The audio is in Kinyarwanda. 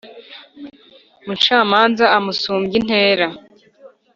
umucamanza umusumbya intera